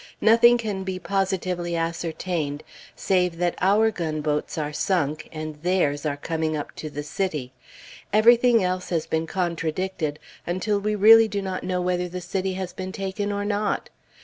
Nothing can be positively ascertained, save that our gunboats are sunk, and theirs are coming up to the city. Everything else has been contradicted until we really do not know whether the city has been taken or not.